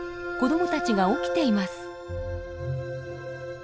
子どもたちが起きています。